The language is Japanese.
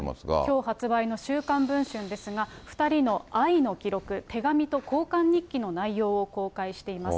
きょう発売の週刊文春ですが、２人の愛の記録、手紙と交換日記の内容を公開しています。